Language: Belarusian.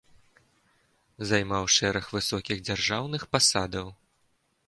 Займаў шэраг высокіх дзяржаўных пасадаў.